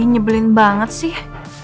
nyebelin banget sih